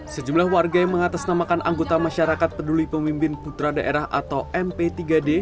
sejumlah warga yang mengatasnamakan anggota masyarakat peduli pemimpin putra daerah atau mp tiga d